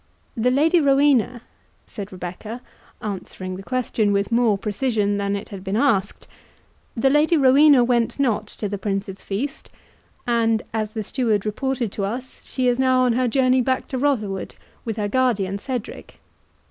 "The Lady Rowena," said Rebecca, answering the question with more precision than it had been asked—"The Lady Rowena went not to the Prince's feast, and, as the steward reported to us, she is now on her journey back to Rotherwood, with her guardian Cedric.